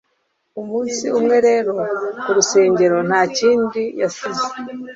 umunsi umwe rero, ku rusengero, nta kindi yasize